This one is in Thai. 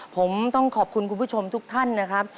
ผมต้องขอบคุณคุณผู้ชมทุกท่านนะครับ